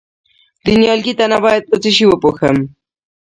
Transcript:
د نیالګي تنه باید په څه شي وپوښم؟